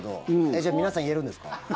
じゃあ皆さん言えるんですか？